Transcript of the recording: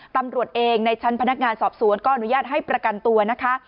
ตำรวจเองในชั้นพนักงานสอบสวนก็อนุญาตให้ประกันตัวนะคะ